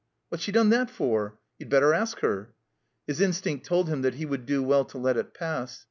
"What's she done that for?" "You'd better ask her." His instinct told him that he would do well to let it pass.